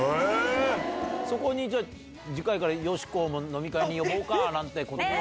そこにじゃあ、次回からよしこも飲み会に呼ぼうかなんてことは。